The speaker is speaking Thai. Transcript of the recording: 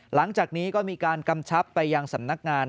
หลังจากนี้ก็มีการกำชับไปยังสำนักงาน